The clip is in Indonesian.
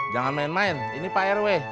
jangan main main ini pak rw